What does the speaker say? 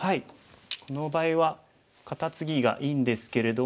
この場合はカタツギがいいんですけれども。